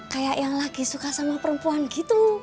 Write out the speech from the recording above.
kayak yang lagi suka sama perempuan gitu